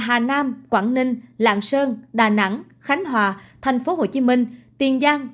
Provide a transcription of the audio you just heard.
hà nam quảng ninh lạng sơn đà nẵng khánh hòa tp hcm tiền giang